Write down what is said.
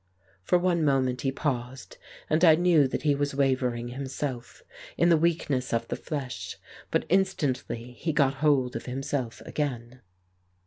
For one moment he paused, and I knew that he was wavering himself, in the weakness of the flesh ; but instantly he got hold of himself again.